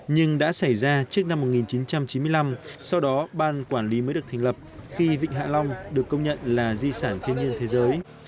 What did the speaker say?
nhưng đã xảy ra trước năm một nghìn chín trăm chín mươi năm sau đó ban quản lý mới được thành lập khi vịnh hạ long được công nhận là di sản thiên nhiên thế giới